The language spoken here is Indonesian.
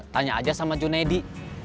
tanya aja sama junedi